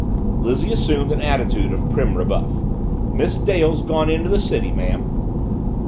Lizzie assumed an attitude of prim rebuff, "Miss Dale's gone into the city, ma'am."